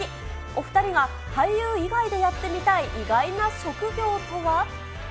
お２人が俳優以外でやってみたい意外な職業とは？